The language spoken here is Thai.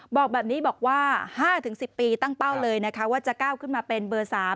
บอกแบบนี้บอกว่า๕๑๐ปีตั้งเป้าเลยนะคะว่าจะก้าวขึ้นมาเป็นเบอร์๓